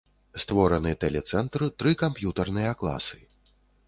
Створаны тэлецэнтр, тры камп'ютарныя класы.